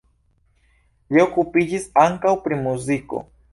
Li okupiĝis ankaŭ pri muziko.